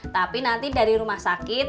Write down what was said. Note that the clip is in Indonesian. tapi nanti dari rumah sakit